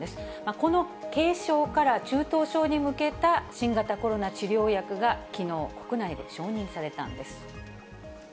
この軽症から中等症に向けた新型コロナ治療薬がきのう、国内で承認されたんです。